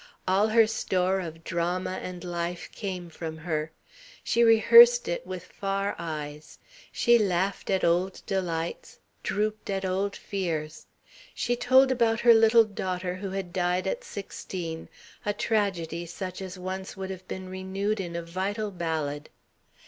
All her store of drama and life came from her. She rehearsed it with far eyes. She laughed at old delights, drooped at old fears. She told about her little daughter who had died at sixteen a tragedy such as once would have been renewed in a vital ballad.